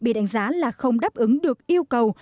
bị đánh giá là không đáp ứng được yêu cầu